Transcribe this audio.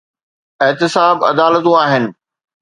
احتساب عدالتون آهن.